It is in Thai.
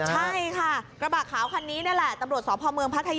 อันดับสุดท้ายก็คืออันดับสุดท้าย